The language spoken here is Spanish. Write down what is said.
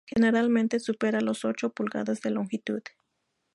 Generalmente supera los ocho pulgadas de longitud.